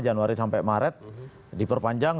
januari sampai maret diperpanjang